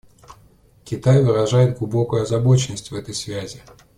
Китай выражает глубокую озабоченность в этой связи.